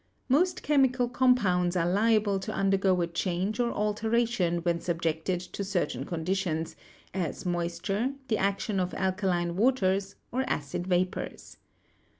Most chemical compounds are liable to undergo a change or alteration when subjected to certain conditions, as mois ture, the action of alkaline waters or acid vapors.